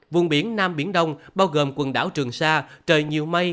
vùng biển nam biển đông bao gồm quần đảo trường sa trời nhiều mây